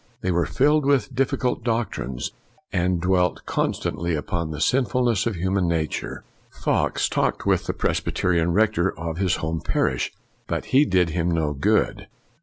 They were filled with difficult doctrines, and dwelt constantly upon the sinfulness of human nature. Fox talked with the Presbyterian rector of his home parish, but he did him no good.